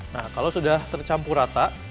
nah kalau sudah tercampur rata